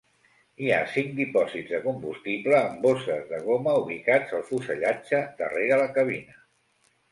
Hi ha cinc dipòsits de combustible amb bosses de goma ubicats al fusellatge darrere la cabina.